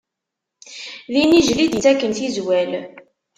D inijjel i d-ittaken tizwal.